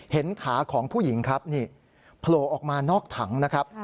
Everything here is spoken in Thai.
ขาของผู้หญิงครับนี่โผล่ออกมานอกถังนะครับ